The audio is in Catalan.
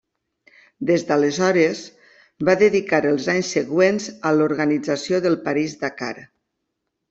Des d'aleshores, va dedicar els anys següents a l'organització del París-Dakar.